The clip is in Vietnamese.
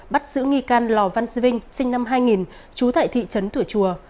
bắt giữ nghi can lò văn sinh sinh năm hai nghìn chú tại thị trấn tủa chùa